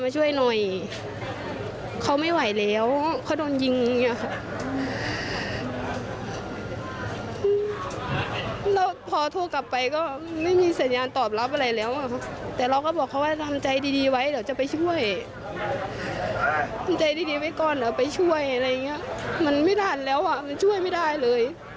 ใจดีไปก่อนไปช่วยอะไรอย่างนี้มันไม่ทันแล้วอ่ะมันช่วยไม่ได้เลย